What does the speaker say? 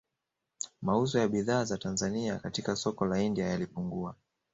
Mauzo ya bidhaa za Tanzania katika soko la India yalipungua